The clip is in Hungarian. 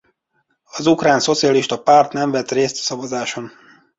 Az Ukrán Szocialista Párt nem vett részt a szavazáson.